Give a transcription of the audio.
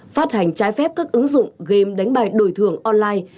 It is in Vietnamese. phát hành trái phép các ứng dụng game đánh bạc đổi thưởng online